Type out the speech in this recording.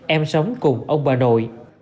em sống cùng ông bà nội